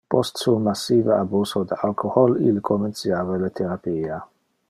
Post su massive abuso de alcohol ille comenciava le therapia.